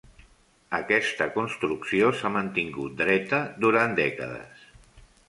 Aquesta construcció s'ha mantingut dreta durant dècades.